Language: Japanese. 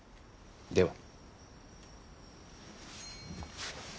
では。